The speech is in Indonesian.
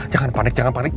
jangan panik jangan panik